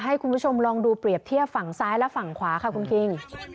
ให้คุณผู้ชมลองดูเปรียบเทียบฝั่งซ้ายและฝั่งขวาค่ะคุณคิง